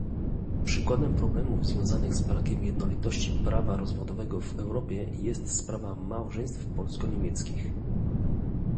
Przykładem problemów związanych z brakiem jednolitości prawa rozwodowego w Europie jest sprawa małżeństw polsko-niemieckich